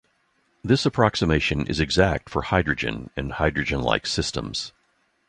This approximation is exact for hydrogen and hydrogen-like systems.